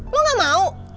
lo gak mau